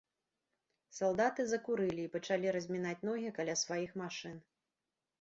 Салдаты закурылі і пачалі размінаць ногі каля сваіх машын.